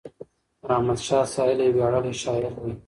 رحمت شاه سایل یو ویاړلی شاعر دی.